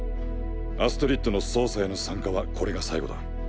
アストリッドの捜査への参加はこれが最後だ。